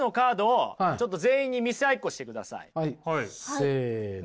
せの。